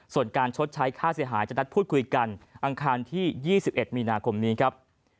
ส่วนการชดใช้ค่าเสียหายจะนัดพูดคุยกันอังคารที่๒๑มีนาคมนี้ครับ